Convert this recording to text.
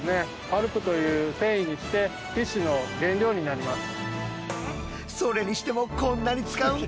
パルプという繊維にしてティッシュの原料になります。